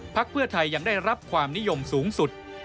เพื่อไทยยังได้รับความนิยมสูงสุด